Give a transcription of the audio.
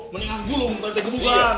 meninang gulung tadi teh gebukan